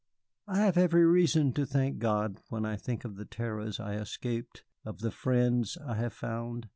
"I have every reason to thank God when I think of the terrors I escaped, of the friends I have found.